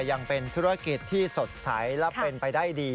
ยังเป็นธุรกิจที่สดใสและเป็นไปได้ดี